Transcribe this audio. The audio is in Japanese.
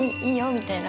みたいな。